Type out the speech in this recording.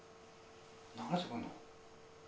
流れてくるの？